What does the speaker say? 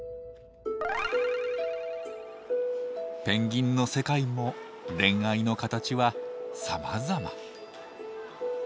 ペンギンの世界も恋愛の形はさまざま。